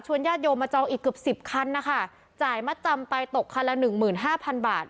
ญาติโยมมาจองอีกเกือบสิบคันนะคะจ่ายมัดจำไปตกคันละหนึ่งหมื่นห้าพันบาท